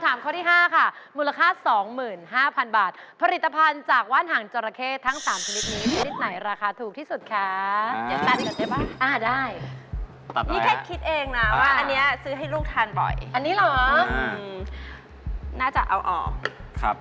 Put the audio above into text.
ว่าอันเนี้ยซื้อให้ลูกทานบ่อยอันนี้เหรออืมน่าจะเอาออกครับ